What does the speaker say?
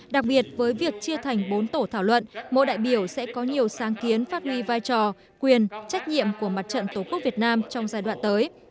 đặc biệt với việc chia thành bốn tổ thảo luận mỗi đại biểu sẽ có nhiều sáng kiến phát huy vai trò quyền trách nhiệm của mặt trận tổ quốc việt nam trong giai đoạn tới